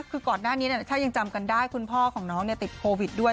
คือก่อนหน้านี้ถ้ายังจำกันได้คุณพ่อของน้องติดโควิดด้วย